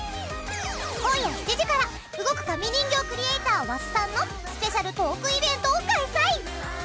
今夜７時から動く紙人形クリエイターわすさんのスペシャルトークイベントを開催。